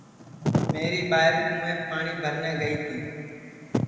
میری ٻائیر کُونٚویپ پاٹؔی بھرنے گئی تی